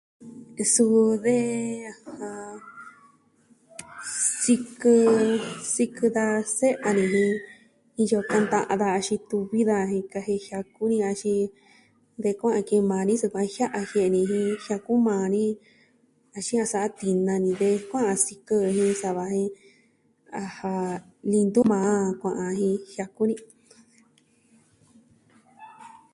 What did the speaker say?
Suu de, sikɨ, sikɨ da se'ya ni jin iyo kanta a daja xituvi daja jika jen jiaku ni axin de koo a ki maa ni sukuan jia'a jie'e ni jin jiaku maa ni. Axin a sa'a tina ni ve'i kua sikɨ jɨ sava jen, ajan, ni ntɨɨn maa kua'an jin jiaku ni.